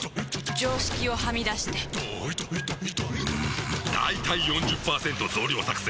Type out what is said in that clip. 常識をはみ出してんだいたい ４０％ 増量作戦！